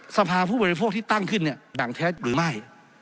สภาผู้บริโภคที่ตั้งขึ้นเนี่ยดั่งแท้หรือไม่